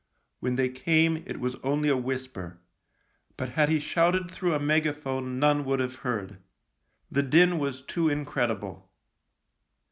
When they came it was only a whisper, but had he shouted through a megaphone none would have heard. The din was too incredible.